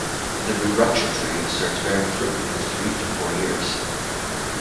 The rudraksha tree starts bearing fruit in three to four years.